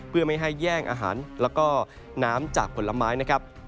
เพื่อไม่ให้แย่งอาหารแล้วก็น้ำจากผลไม้นะครับ